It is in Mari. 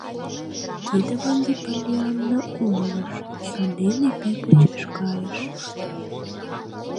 Тидым ынде Поллианна умылыш, сандене пий почеш кайыш.